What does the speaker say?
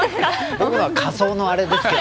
僕は仮想のあれですけど。